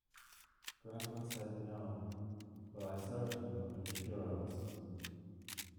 ' Grandpa said 'No...but I served in a company of heroes'.